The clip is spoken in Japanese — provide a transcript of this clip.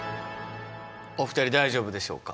お二人大丈夫でしょうか？